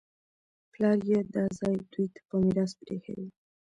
پلار یې دا ځای دوی ته په میراث پرېښی و